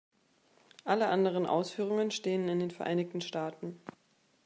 Alle anderen Ausführungen stehen in den Vereinigten Staaten.